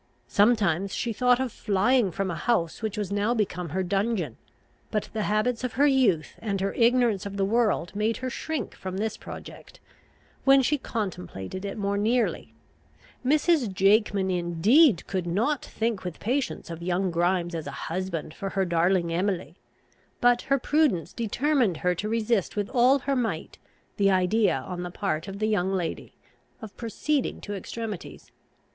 Sometimes she thought of flying from a house which was now become her dungeon; but the habits of her youth, and her ignorance of the world, made her shrink from this project, when she contemplated it more nearly, Mrs. Jakeman, indeed, could not think with patience of young Grimes as a husband for her darling Emily; but her prudence determined her to resist with all her might the idea on the part of the young lady of proceeding to extremities.